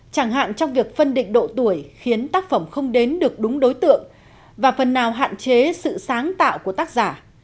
chẳng hạn trong việc phân định độ tuổi khiến tác phẩm không đến được đúng đối tượng và phần nào hạn chế sự sáng tạo của tác giả